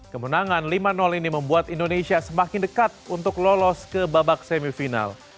kemenangan lima ini membuat indonesia semakin dekat untuk lolos ke babak semifinal